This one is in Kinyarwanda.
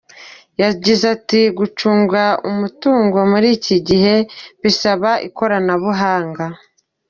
Yagize ati “Gucunga umutungo muri iki gihe bisaba ikoranabuhanga.